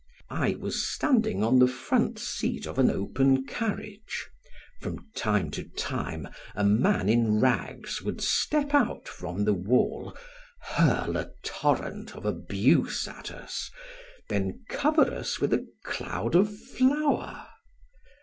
I was standing on the front seat of an open carriage; from time to time a man in rags would step out from the wall, hurl a torrent of abuse at us, then cover us with a cloud of flour.